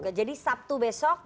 oke jadi sabtu besok